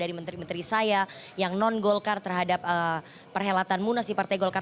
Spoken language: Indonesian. dari menteri menteri saya yang non golkar terhadap perhelatan munas di partai golkar